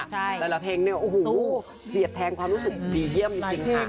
แต่ละเพลงเนี่ยโอ้โหเสียบแทงความรู้สึกดีเยี่ยมจริงค่ะ